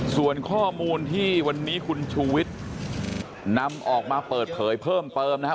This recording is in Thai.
ส่วนข้อมูลที่วันนี้คุณชูวิทย์นำออกมาเปิดเผยเพิ่มเติมนะครับ